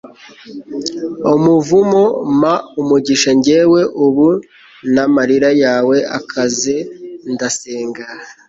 Umuvumo mpa umugisha njyewe ubu namarira yawe akaze ndasenga